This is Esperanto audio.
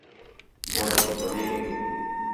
Bone, bonege!